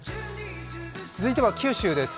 続いては九州です。